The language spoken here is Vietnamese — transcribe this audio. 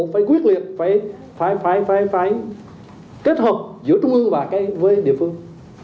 phải quyết liệt phải kết hợp giữa trung ương và với địa phương